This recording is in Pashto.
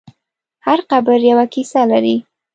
هر قبر یوه کیسه لري.